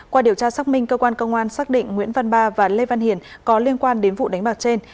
qua điều tra xác minh cơ quan công an xác định nguyễn văn ba và lê văn hiền có liên quan đến vụ đánh bạc trên